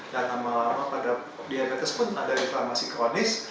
dan lama lama pada diabetes pun ada inflamasi kronis